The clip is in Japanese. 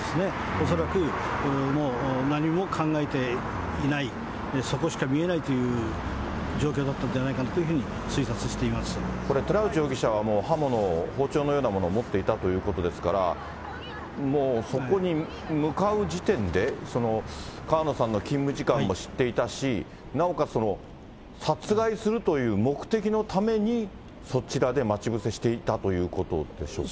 恐らくもう何も考えていない、そこしか見えないという状況だったんじゃないかなというふうに推これ、寺内容疑者は刃物、包丁のようなものを持っていたということですから、もうそこに向かう時点で、川野さんの勤務時間も知っていたし、なおかつ殺害するという目的のために、そちらで待ち伏せしていたということでしょうか。